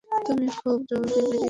তুমি খুব জলদি বেরিয়ে এসেছ।